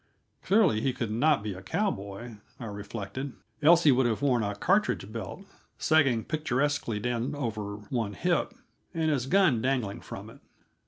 Clearly, he could not be a cowboy, I reflected, else he would have worn a cartridge belt sagging picturesquely down over one hip, and his gun dangling from it.